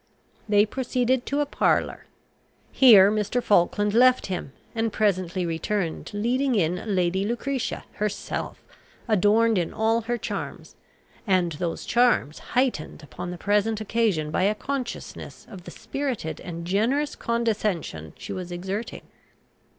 They proceeded to a parlour. Here Mr. Falkland left him, and presently returned leading in Lady Lucretia herself, adorned in all her charms, and those charms heightened upon the present occasion by a consciousness of the spirited and generous condescension she was exerting.